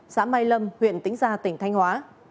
xã mai lâm huyện tĩnh gia tỉnh thanh hóa